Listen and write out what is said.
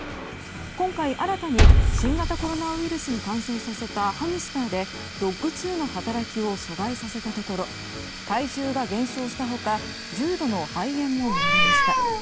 今回、新たに新型コロナウイルスに感染させたハムスターでＤＯＣＫ２の働きを阻害させたところ体重が減少した他重度の肺炎も見られました。